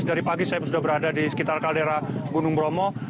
dari pagi saya sudah berada di sekitar kaldera gunung bromo